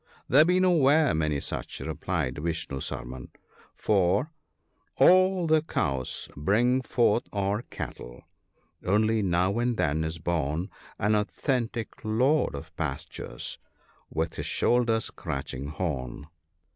" There be nowhere many such," replied Vishnu Sar man ;" for " All the cows bring forth are cattle — only now and then is born An authentic lord of pastures, with his shoulder scratching horn."